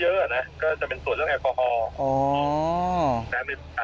ก็จะเป็นตรวจเรื่องแอปโฮฮอล์